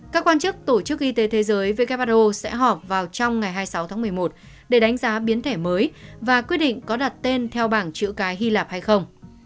các quan chức tổ chức y tế thế giới who sẽ họp vào trong ngày hai mươi sáu tháng một mươi một để đánh giá biến thể mới và quyết định có đặt tên theo bảng chữ cái hy lạp hay không